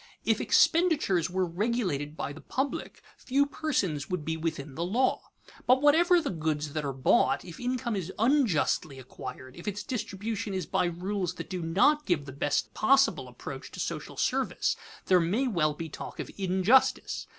If expenditures were regulated by the public, few persons would be within the law. But whatever the goods that are bought, if income is unjustly acquired, if its distribution is by rules that do not give the best possible approach to social service, there may well be talk of injustice.